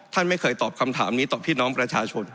ท่านไม่เคยตอบคำถามนี้ต่อพี่น้องประชาชน